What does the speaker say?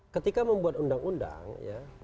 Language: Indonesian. ketika membuat undang undang ya